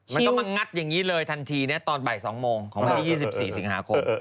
มันก็มางัดอย่างนี้เลยทันทีตอนบ่าย๒โมงของวันที่๒๔สิงหาคม